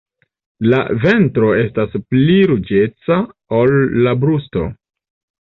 La ventro estas pli ruĝeca ol la brusto.